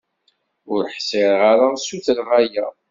Ur ḥṣiɣ ara sutreɣ aya.